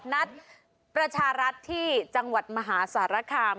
นัดประชารัฐที่จังหวัดมหาสารคาม